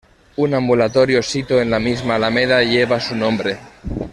Un ambulatorio sito en la misma alameda lleva su nombre.